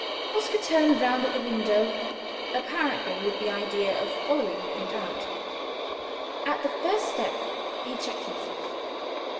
Oscar turned round at the window, apparently with the idea of following Nugent out. At the first step he checked himself.